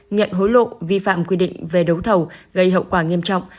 nhận hối lộ vi phạm quy định về đấu thầu gây hậu quả nghiêm trọng